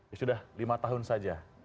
ya sudah lima tahun saja